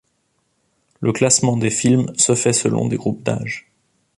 Le classement des films se fait selon des groupes d'âge.